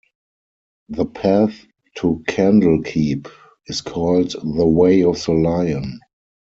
The path to Candlekeep is called the Way of the Lion.